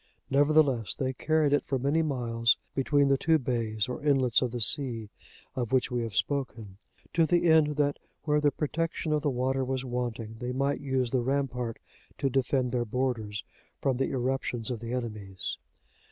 Nevertheless, they carried it for many miles between the two bays or inlets of the sea of which we have spoken;(76) to the end that where the protection of the water was wanting, they might use the rampart to defend their borders from the irruptions of the enemies.